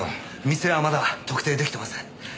店はまだ特定出来てません。